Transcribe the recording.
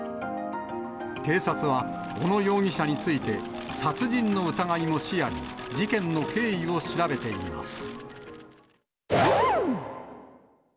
警察は、小野容疑者について殺人の疑いも視野に、事件の経緯を調べています。